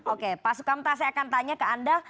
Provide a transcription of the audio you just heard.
oke pak sukamta saya akan tanya ke anda